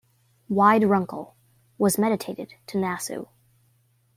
Wied-Runkel was mediatised to Nassau.